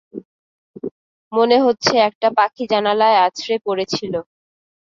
মনে হচ্ছে একটা পাখি জানালায় আছড়ে পড়েছিল।